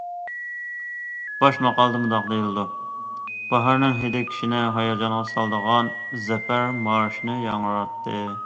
باش ماقالىدا مۇنداق دېيىلىدۇ: باھارنىڭ ھىدى كىشىنى ھاياجانغا سالىدىغان زەپەر مارشىنى ياڭراتتى.